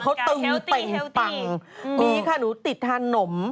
เขาตื้อเตะปังมีค่ะหนูติดทานหนม